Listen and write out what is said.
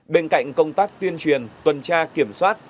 bên cạnh công tác tuyên truyền tuần tra kiểm soát